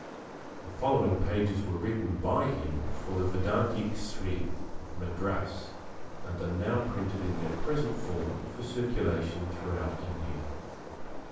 The following pages were written by him for the Vedanta Kesari of Madras and are now printed in their present form for circulation throughout India.